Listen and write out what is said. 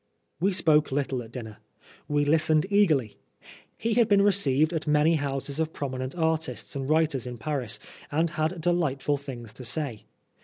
We spoke little at dinner. We listened eagerly. He had been received at many houses of prominent artists and writers in Paris, and had delightful things to say.